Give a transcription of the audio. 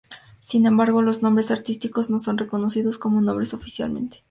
Sin embargo, los nombres artísticos no son reconocidos como nombres oficialmente.